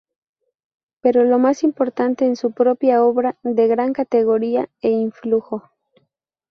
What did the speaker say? Pero lo más importante es su propia obra, de gran categoría e influjo.